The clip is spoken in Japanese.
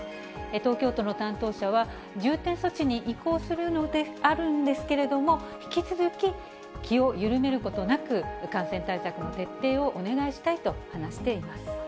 東京都の担当者は、重点措置に移行するのであるんですけれども、引き続き気を緩めることなく、感染対策の徹底をお願いしたいと話しています。